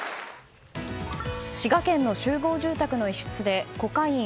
滋賀県の集合住宅の一室でコカイン